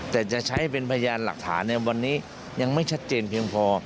แต่จะใช้เป็นพยานหลักฐานในวันนี้ยังไม่ชัดเจนเพียงพอ